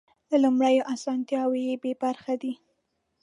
له لومړیو اسانتیاوو بې برخې دي.